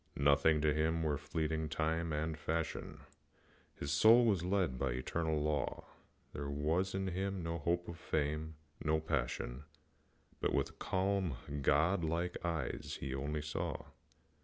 Nothing to him were fleeting time and fashion, His soul was led by the eternal law; There was in him no hope of fame, no passion, But, with calm, god like eyes, he only saw.